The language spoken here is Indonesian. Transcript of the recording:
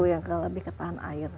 yang lebih ke tahan air